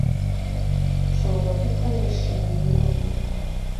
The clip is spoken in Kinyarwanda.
nshobora gupfa nishimye nonaha.